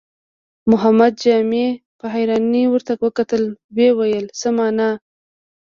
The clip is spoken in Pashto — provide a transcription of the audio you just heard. محمد جامي په حيرانۍ ورته وکتل، ويې ويل: څه مانا؟